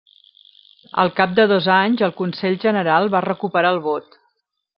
Al cap de dos anys, el Consell General va recuperar el vot.